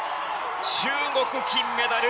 中国、金メダル